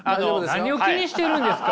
何を気にしているんですか？